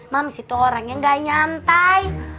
moms itu orang yang gak nyantai